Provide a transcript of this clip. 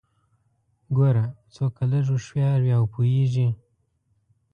ګوره څوک که لږ هوښيار وي او پوهیږي